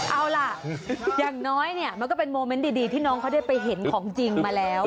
เอาล่ะอย่างน้อยเนี่ยมันก็เป็นโมเมนต์ดีที่น้องเขาได้ไปเห็นของจริงมาแล้ว